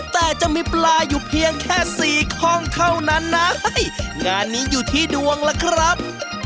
แต่จะมีปลาอยู่เพียงแค่สี่คล่องเท่านั้นนะงานนี้อยู่ที่ดวงล่ะครับ